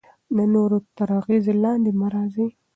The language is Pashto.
د نورو تر اغیز لاندې مه راځئ.